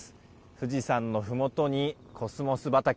富士山のふもとにコスモス畑。